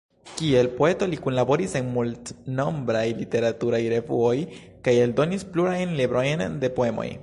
Kiel poeto li kunlaboris en multnombraj literaturaj revuoj kaj eldonis plurajn librojn de poemoj.